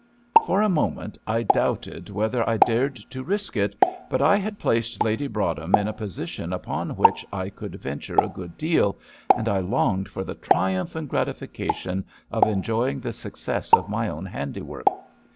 For a moment I doubted whether I dared to risk it, but I had placed Lady Broadhem in a position upon which I could venture a good deal, and I longed for the triumph and gratification of enjoying the success of my own handiwork.